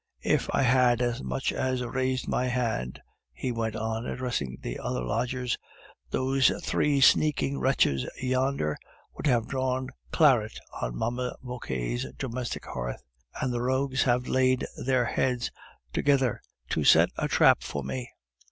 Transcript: If I had as much as raised my hand," he went on, addressing the other lodgers, "those three sneaking wretches yonder would have drawn claret on Mamma Vauquer's domestic hearth. The rogues have laid their heads together to set a trap for me."